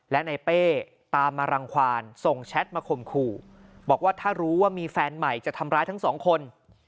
และในเป้ตามมารังความส่งแชทมาข่มขู่บอกว่าถ้ารู้ว่ามีแฟนใหม่จะทำร้ายทั้งสองคน